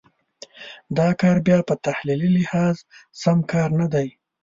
دا کار بیا په تحلیلي لحاظ سم کار نه دی.